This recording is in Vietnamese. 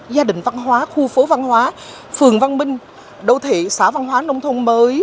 gia đình văn hóa khu phố văn hóa phường văn minh đô thị xã văn hóa nông thôn mới